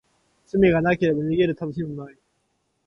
罰がなければ、逃げるたのしみもない。